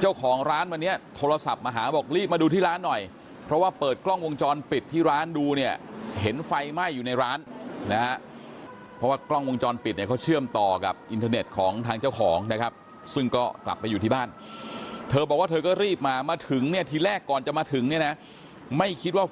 เจ้าของร้านวันนี้โทรศัพท์มาหาบอกรีบมาดูที่ร้านหน่อยเพราะว่าเปิดกล้องวงจรปิดที่ร้านดูเนี่ยเห็นไฟไหม้อยู่ในร้านนะฮะเพราะว่ากล้องวงจรปิดเนี่ยเขาเชื่อมต่อกับอินเทอร์เน็ตของทางเจ้าของนะครับซึ่งก็กลับไปอยู่ที่บ้านเธอบอกว่าเธอก็รีบมามาถึงเนี่ยทีแรกก่อนจะมาถึงเนี่ยนะไม่คิดว่า